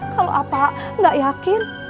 kalau apa gak yakin